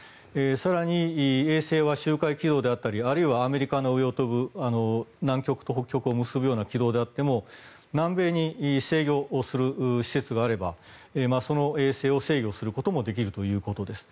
更に、衛星は周回軌道であったりあるいはアメリカの上を飛ぶ南極と北極を結ぶような軌道であっても南米に制御する施設があればその衛星を制御することもできるということです。